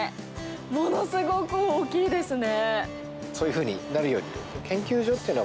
ものすごく大きいですね！